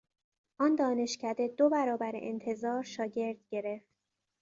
آن دانشکده دو برابر انتظار شاگرد گرفت.